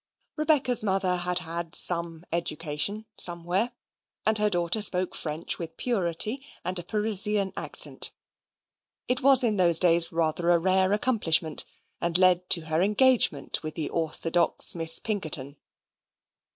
Rebecca's mother had had some education somewhere, and her daughter spoke French with purity and a Parisian accent. It was in those days rather a rare accomplishment, and led to her engagement with the orthodox Miss Pinkerton.